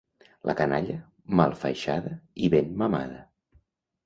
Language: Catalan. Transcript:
La canalla, mal faixada i ben mamada.